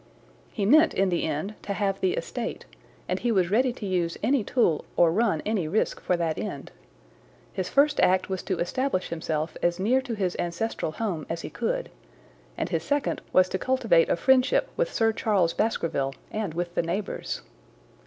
He meant in the end to have the estate, and he was ready to use any tool or run any risk for that end. His first act was to establish himself as near to his ancestral home as he could, and his second was to cultivate a friendship with Sir Charles Baskerville and with the neighbours.